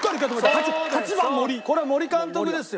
これは森監督ですよ。